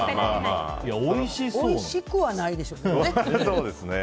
おいしくはないでしょうけどね。